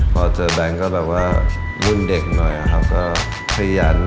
พอเจอแบงก็แบบว่ารุ่นเด็กหน่อยนะครับ